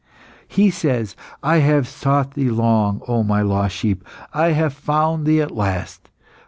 He says, 'I have sought thee long, O My lost sheep! I have found thee at last!